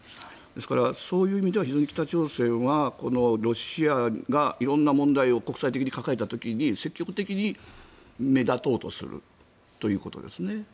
ですから、そういう意味では非常に北朝鮮はロシアが色んな問題を国際的に抱えた時に積極的に目立とうとするということですね。